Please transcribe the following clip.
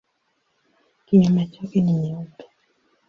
Kinyume chake ni nyeupe.